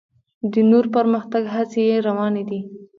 د نور پرمختګ هڅې یې روانې دي.